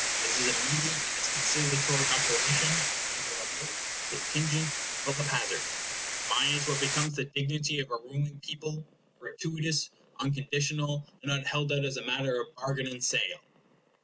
This is immediate in its conciliatory operation; the other remote, contingent, full of hazard. Mine is what becomes the dignity of a ruling people gratuitous, unconditional, and not held out as a matter of bargain and sale.